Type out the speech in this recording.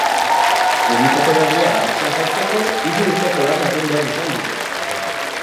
Unitate berri hau martxan jartzeko hiru urteko lana egin behar izan dute.